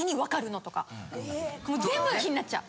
もう全部が気になっちゃう。